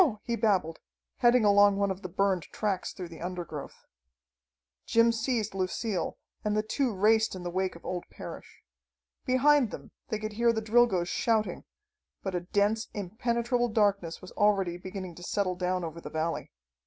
he babbled, heading along one of the burned tracks through the undergrowth. Jim seized Lucille and the two raced in the wake of old Parrish. Behind them they could hear the Drilgoes shouting, but a dense, impenetrable darkness was already beginning to settle down over the valley.